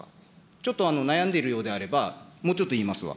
ちょっと悩んでいるようなので、もうちょっと言いますが。